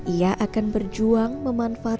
ia akan berjuang memanfaatkan